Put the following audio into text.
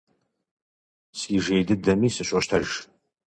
Си жей дыдэми сыщощтэж.